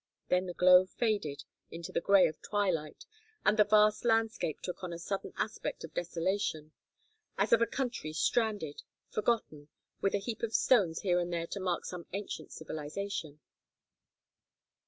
Then the glow faded into the gray of twilight and the vast landscape took on a sudden aspect of desolation; as of a country stranded, forgotten, with a heap of stones here and there to mark some ancient civilization.